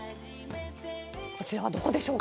こちらはどこでしょうか？